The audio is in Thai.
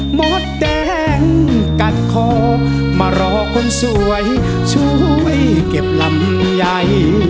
มดแดงกัดคอมารอคนสวยช่วยเก็บลำไย